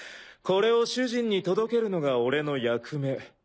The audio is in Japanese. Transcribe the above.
これを主人に届けるのが俺の役目。